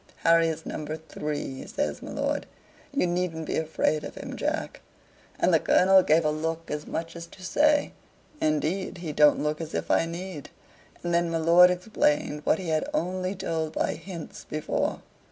"Harry is number three," says my lord. "You needn't be afraid of him, Jack." And the Colonel gave a look, as much as to say, "Indeed, he don't look as if I need." And then my lord explained what he had only told by hints before.